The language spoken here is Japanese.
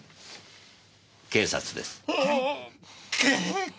警察です。け？